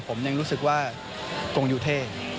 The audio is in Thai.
ผมยังรู้สึกว่าตรงยูเท่